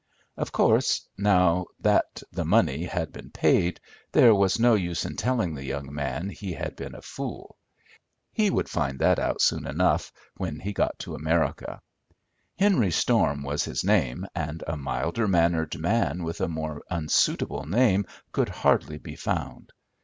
Of course, now that the money had been paid, there was no use in telling the young man he had been a fool. He would find that out soon enough when he got to America. Henry Storm was his name, and a milder mannered man with a more unsuitable name could hardly be found.